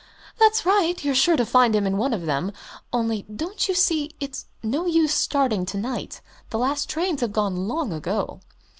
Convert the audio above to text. "That's right you're sure to find him in one of them. Only, don't you see, it's no use starting to night the last trains have gone long ago."